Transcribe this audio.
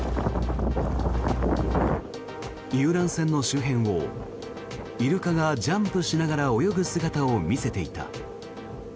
遊覧船の周辺をイルカがジャンプしながら泳ぐ姿を見せていた。